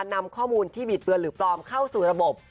นำข้อมูลที่บิดเบือนหรือปลอมเข้าสู่ระบบ